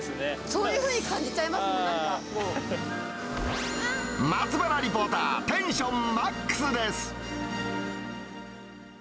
そういうふうに感じちゃいま松原リポーター、テンションＭＡＸです。